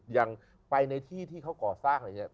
อย่างไปในที่ที่เขาก่อสร้างอะไรอย่างนี้